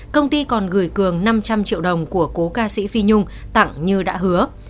công ty còn gửi cường năm trăm linh triệu đồng của cố ca sĩ phi nhung tặng như đã hứa